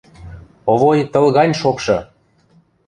— Овой тыл гань шокшы!